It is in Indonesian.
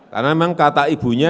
karena memang kata ibunya